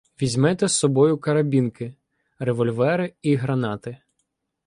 Візьмете з собою карабінки, револьвери і гранати.